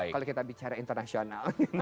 kalau kita bicara internasional